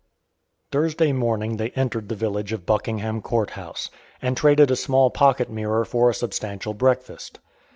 Thursday morning they entered the village of Buckingham Court House, and traded a small pocket mirror for a substantial breakfast.